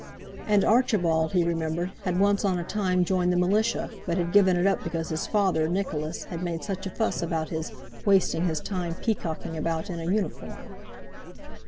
And Archibald, he remembered, had once on a time joined the Militia, but had given it up because his father, Nicholas, had made such a fuss about his "wasting his time peacocking about in a uniform."